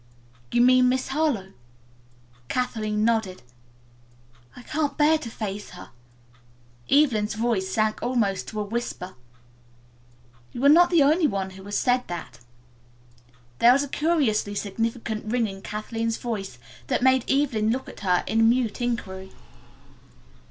"You mean Miss Harlowe?" Kathleen nodded. "I can't bear to face her." Evelyn's voice sank almost to a whisper. "You are not the only one who has said that." There was a curiously significant ring in Kathleen's voice that made Evelyn look at her in mute inquiry.